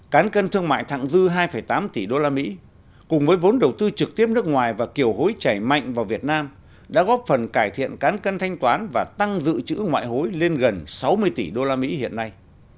cán cân thương mại thẳng dư hai tám tỷ usd cùng với vốn đầu tư trực tiếp nước ngoài và kiều hối chảy mạnh vào việt nam đã góp phần cải thiện cán cân thanh toán và tăng dự trữ ngoại hối lên gần sáu mươi tỷ usd hiện nay